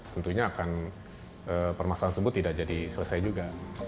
tentunya akan permasalahan tersebut tidak jadi selesai juga